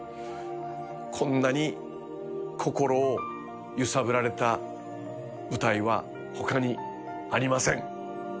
こんなに心を揺さぶられた舞台はほかにありません。